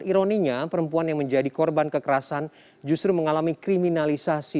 ironinya perempuan yang menjadi korban kekerasan justru mengalami kriminalisasi